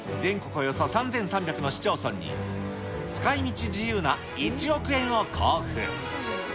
およそ３３００の市町村に、使いみち自由な１億円を交付。